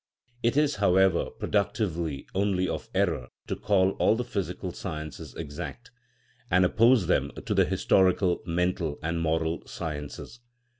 It is, however, productive only of error to call all the physical sciences exact, and oppose them to the historical, mental, and moral sciences.